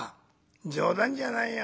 「冗談じゃないよ。